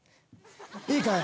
いいかい？